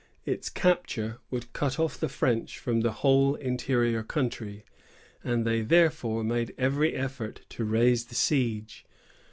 Its capture would cut off the French from the whole interior country, and they therefore made every effort to raise the siege.